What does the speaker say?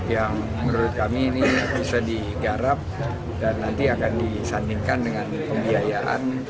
yang menurut kami ini bisa digarap dan nanti akan disandingkan dengan pembiayaan